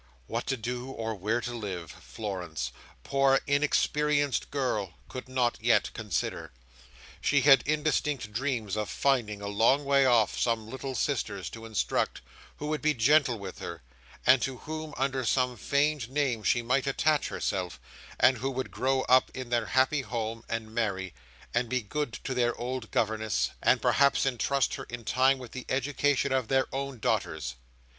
What to do, or where to live, Florence—poor, inexperienced girl!—could not yet consider. She had indistinct dreams of finding, a long way off, some little sisters to instruct, who would be gentle with her, and to whom, under some feigned name, she might attach herself, and who would grow up in their happy home, and marry, and be good to their old governess, and perhaps entrust her, in time, with the education of their own daughters.